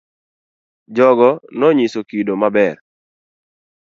Jogo no nyiso kido ma ber.